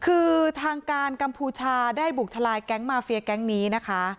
คือทางการกัมพูชาได้บุกทลายแก๊งมาเฟียแก๊งนี้นะคะ